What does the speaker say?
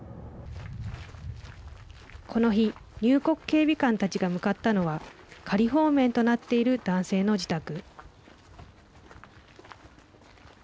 この日、入国警備官たちが向かったのは仮放免となっている男性の自宅。